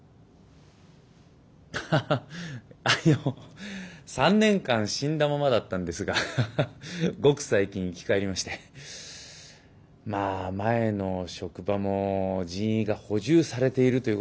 ハハハあの３年間死んだままだったんですがごく最近生き返りましてまあ前の職場も人員が補充されているということもあってですね